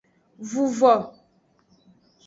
Vuvo.